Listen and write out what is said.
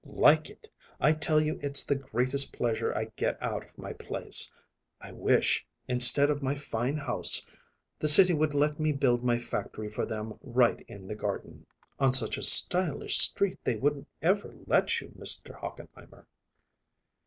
"Like it! I tell you it's the greatest pleasure I get out of my place. I wish, instead of my fine house, the city would let me build my factory for them right in the garden." "On such a stylish street they wouldn't ever let you, Mr. Hochenheimer."